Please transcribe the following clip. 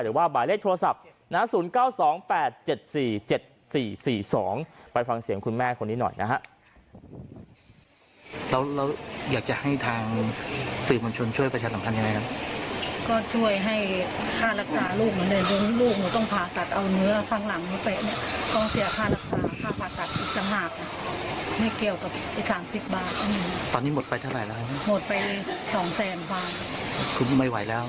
หมายเลขโทรศัพท์๐๙๒๘๗๔๗๔๔๒ไปฟังเสียงคุณแม่คนนี้หน่อยนะฮะ